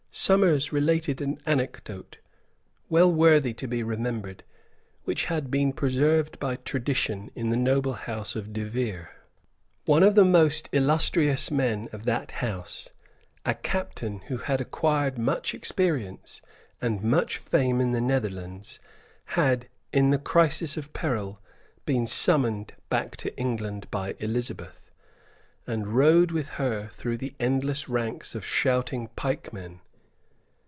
Somers related an anecdote, well worthy to be remembered, which had been preserved by tradition in the noble house of De Vere. One of the most illustrious men of that house, a captain who had acquired much experience and much fame in the Netherlands, had, in the crisis of peril, been summoned back to England by Elizabeth, and rode with her through the endless ranks of shouting pikemen.